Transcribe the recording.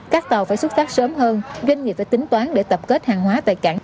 các tàu phải xuất tác sớm hơn doanh nghiệp phải tính toán để tập kết hàng hóa tại cảng